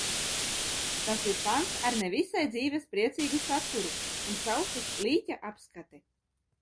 "Tas ir pants ar ne visai dzīvespriecīgu saturu un saucas "Līķa apskate"."